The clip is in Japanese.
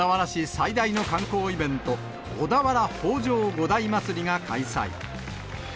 最大の観光イベント、小田原北條五代祭りが開催。